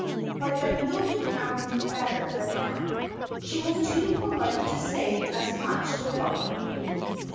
But the Muley Cow knew better than that. She was too polite to say as much to Farmer Green.